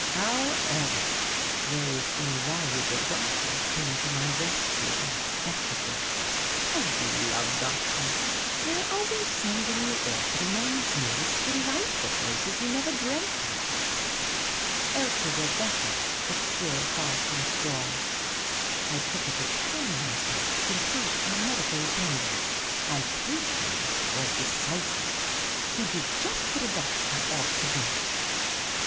However, those invaluable doctors came to my rescue un expectedly. I do love doctors ; they are always sending you off at a moment's notice to delightful places you never 17^ Miss Cayley's Adventures dreamt of. Elsie was better, but still far from strong. I took it upon me to consult our medical attendant ; and his verdict Wiis decisive. He did just what a doctor ought to do.